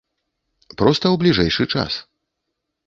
Проста ў бліжэйшы час.